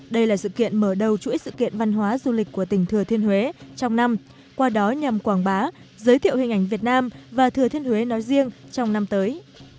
đây là sự kiện mở đầu chuỗi sự kiện văn hóa du lịch của tỉnh thừa thiên huế trong năm qua đó nhằm quảng bá giới thiệu hình ảnh việt nam và thừa thiên huế nói riêng trong năm tới